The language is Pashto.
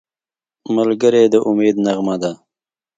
ملګری د امید نغمه ده